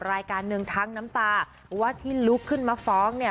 รายการหนึ่งทั้งน้ำตาว่าที่ลุกขึ้นมาฟ้องเนี่ย